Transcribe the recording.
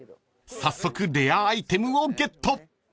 早速レアアイテムをゲット］